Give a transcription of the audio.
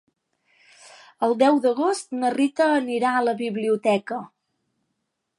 El deu d'agost na Rita anirà a la biblioteca.